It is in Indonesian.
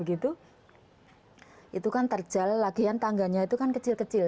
itu kan terjal lagian tangganya itu kan kecil kecil